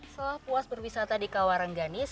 setelah puas berwisata di kawarengganis